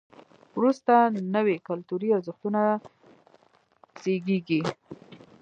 وروسته نوي کلتوري ارزښتونه زیږېږي.